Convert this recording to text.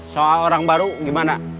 soal orang baru gimana